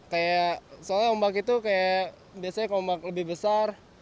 kayak soalnya ombak itu kayak biasanya ombak lebih besar